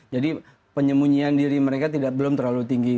jadi penyemunyian diri mereka belum terlalu tinggi